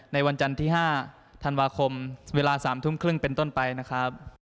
ในวันจันทร์ที่๕ธันวาคมเวลา๓ทุ่มครึ่งเป็นต้นไปนะครับ